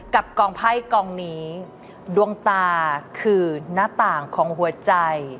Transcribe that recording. กับกองไพ่กองนี้ดวงตาคือหน้าต่างของหัวใจ